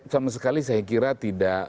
sama sekali saya kira tidak